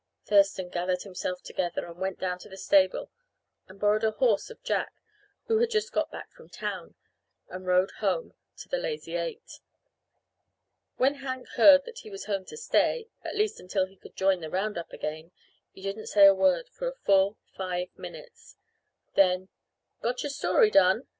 Thurston gathered himself together and went down to the stable and borrowed a horse of Jack, who had just got back from town, and rode home to the Lazy Eight. When Hank heard that he was home to stay at least until he could join the roundup again he didn't say a word for full five minutes. Then, "Got your story done?"